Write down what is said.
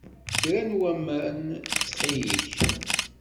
Kra n waman, ttxil-k.